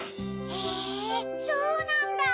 へぇそうなんだ。